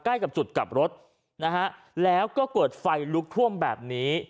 ใกล้กับจุดกลับรถนะฮะแล้วก็เกิดไฟลุกท่วมแบบนี้